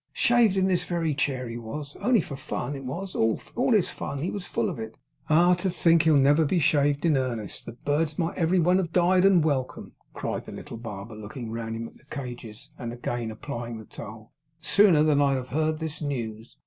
Shaved in this very chair he was; only for fun; it was all his fun; he was full of it. Ah! to think that he'll never be shaved in earnest! The birds might every one have died, and welcome,' cried the little barber, looking round him at the cages, and again applying to the towel, 'sooner than I'd have heard this news!